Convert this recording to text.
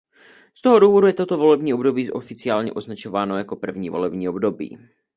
Z toho důvodu je toto volební období oficiálně označováno jako první volební období.